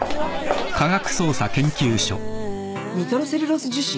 ニトロセルロース樹脂？